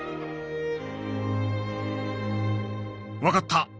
分かった。